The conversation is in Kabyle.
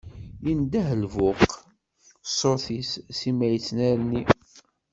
Indeh lbuq, ṣṣut-is simmal ittnerni.